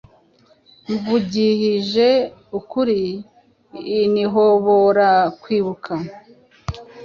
Mvugihije ukuri inhobora kwibuka